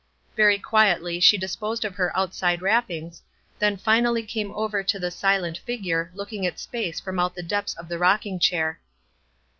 Very quietly she disposed of her outside wrar>* pings, then finally came over to the silent figure looking at space from out the depths of the rocking chair.